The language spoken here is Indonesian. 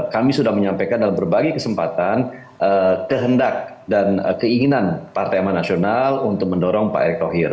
kami sudah menyampaikan dalam berbagai kesempatan kehendak dan keinginan partai aman nasional untuk mendorong pak erick thohir